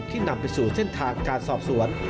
นำไปสู่เส้นทางการสอบสวน